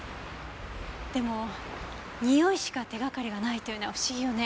でもにおいしか手掛かりがないというのは不思議よね。